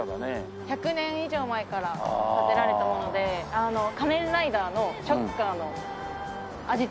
１００年以上前から建てられたもので『仮面ライダー』のショッカーのアジトになってました。